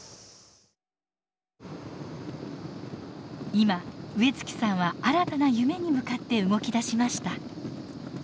今植月さんは新たな夢に向かって動きだしました。